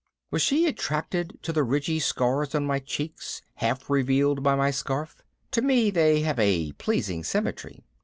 Was she attracted to the ridgy scars on my cheeks half revealed by my scarf? to me they have a pleasing symmetry.